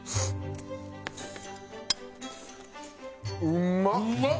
うまっ！